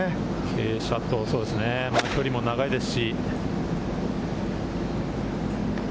傾斜と距離も長いですし。